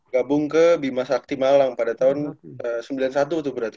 gabung ke bimas raktimalang pada tahun seribu sembilan ratus sembilan puluh satu tuh berarti